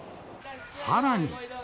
さらに。